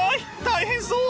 大変そう！